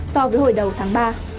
so với hồi đầu tháng ba